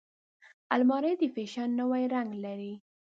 الماري د فیشن نوی رنګ لري